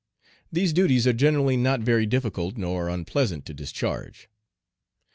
These duties are generally not very difficult nor unpleasant to discharge.